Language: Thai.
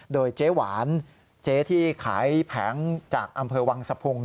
โดยเจ๊หวานเจ๊ที่ขายแผงจากอำเภอวังสะพุง